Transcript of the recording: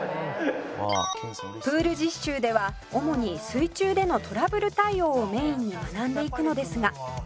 「プール実習では主に水中でのトラブル対応をメインに学んでいくのですが」